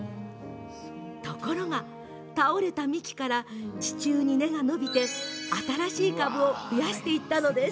ところが、倒れた幹から地中に根が伸びて新しい株を増やしていったのです。